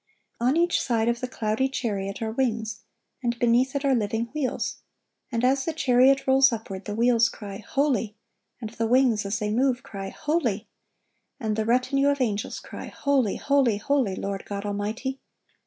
On each side of the cloudy chariot are wings, and beneath it are living wheels; and as the chariot rolls upward, the wheels cry, "Holy," and the wings, as they move, cry, "Holy," and the retinue of angels cry, "Holy, holy, holy, Lord God Almighty."